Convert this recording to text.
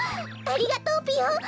ありがとうぴよ！